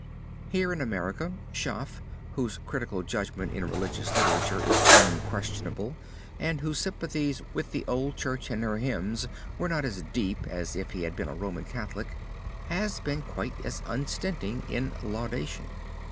Here in America, Schaff, whose critical judgment in religious literature is unquestionable and whose sympathies with the old church and her hymns were not as deep as if he had been a Roman Catholic, has been quite as unstinted in laudation.